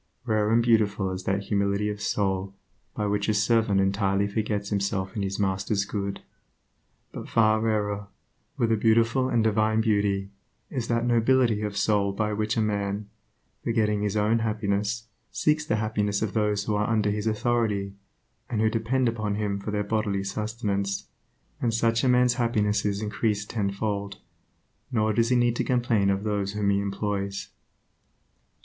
Rare and beautiful is that humility of soul by which a servant entirely forgets himself in his master's good; but far rarer, and beautiful with a divine beauty, is that nobility of soul by which a man, forgetting his own happiness, seeks the happiness of those who are under his authority, and who depend upon him for their bodily sustenance. And such a man's happiness is increased tenfold, nor does he need to complain of those whom he employs.